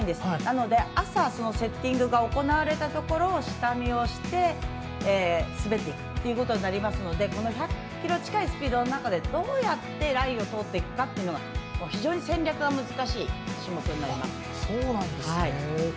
なので、朝セッティングが行われたところを下見をして滑っていくことになりますので１００キロ近いスピードの中でどうやってラインを通っていくか非常に戦略が難しい種目です。